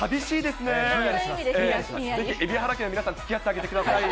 ぜひ、蛯原家の皆さん、つきあってあげてください。